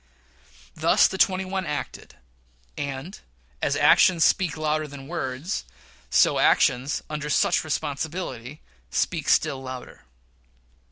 Thus the twenty one acted; and, as actions speak louder than words, so actions under such responsibilities speak still louder.